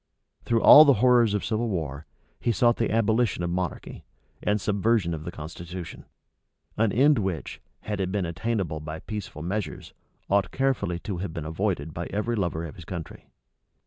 Through all the horrors of civil war, he sought the abolition of monarchy, and subversion of the constitution; an end which, had it been attainable by peaceful measures, ought carefully to have been avoided by every lover of his country.